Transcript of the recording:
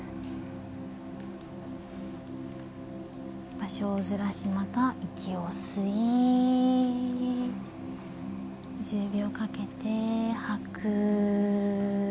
場所をずらしまた息を吸い１０秒かけて吐く。